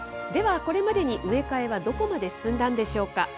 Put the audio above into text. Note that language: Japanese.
では、これまでに植え替えはどこまで進んだんでしょうか。